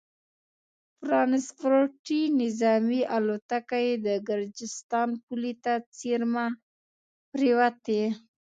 ټرانسپورټي نظامي الوتکه یې د ګرجستان پولې ته څېرمه پرېوتې